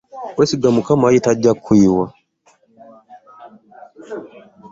Wesige Mukama ye tajja kuyiwa.